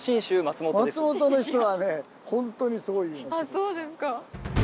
そうですか。